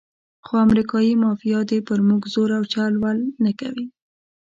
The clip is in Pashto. خو امریکایي مافیا دې پر موږ زور او چل ول نه کوي.